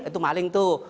itu maling tuh